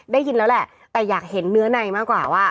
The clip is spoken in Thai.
ได้ยินแล้วแหละแต่อยากเห็นเนื้อในมากกว่าว่า